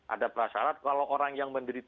ada persyarat kalau orang yang mendirikan